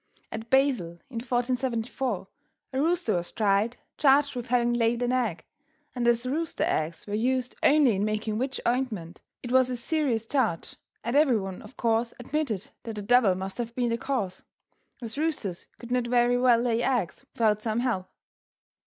At Basle, in 1474, a rooster was tried, charged with having laid an egg, and as rooster eggs were used only in making witch ointment it was a serious charge, and everyone of course admitted that the devil must have been the cause, as roosters could not very well lay eggs without some help.